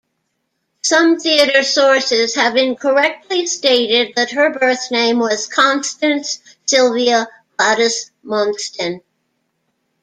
Some theatre sources have incorrectly stated that her birthname was Constance Sylvia Gladys Munston.